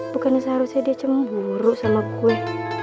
bukannya seharusnya dia cemburu sama gue